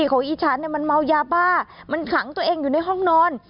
ของอีฉันมันเมายาบ้ามันขังตัวเองอยู่ในห้องนอน